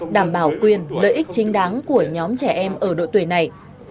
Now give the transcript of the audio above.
đảm bảo quyền lợi ích chính đáng của nhóm trẻ em ở độ tuổi này